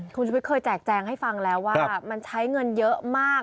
คุณชุวิตเคยแจกแจงให้ฟังแล้วว่ามันใช้เงินเยอะมาก